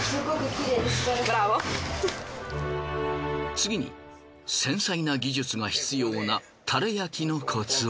次に繊細な技術が必要なタレ焼きのコツを。